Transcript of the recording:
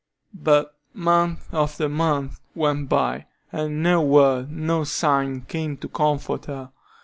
But month after month went by, and no word, no sign came to comfort her.